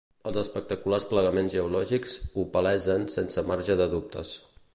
Els espectaculars plegaments geològics ho palesen sense marge de dubtes.